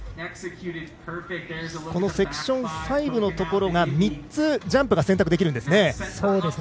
セクション５のところが３つジャンプが選択できますね。